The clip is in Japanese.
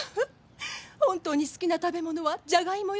本当に好きな食べ物はジャガイモよ。